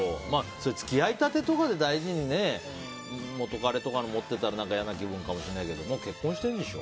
付き合いたてとかで大事に元カレの持ってたら何か嫌な気分かもしれないけどもう結婚してるんでしょ。